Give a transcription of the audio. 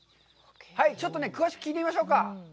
ちょっとね、詳しく聞いてみましょうか。